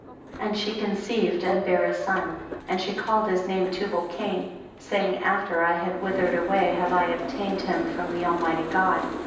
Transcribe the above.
24. And she conceived and bare a son and she called his name Tubal Cain, saying, after I had withered away have I obtained him from the Almighty God.